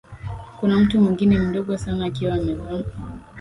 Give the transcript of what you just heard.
kuna mtu mwingine mdogo sana akiwa amevaa